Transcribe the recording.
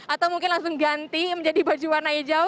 atau mungkin langsung ganti menjadi baju warna hijau